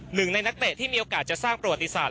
หนึ่งในนักเตะที่มีโอกาสจะสร้างประวัติศาส